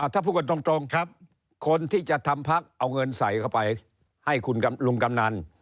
ถ้าพูดกันตรงคนที่จะทำพักเอาเงินใส่เข้าไปให้คุณลุงกำนัน